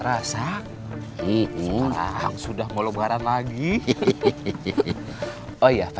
kan emang gede kamu badannya